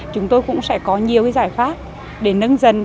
chúng tôi cũng sẽ có nhiều giải pháp để nâng dần